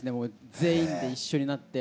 全員で一緒になって。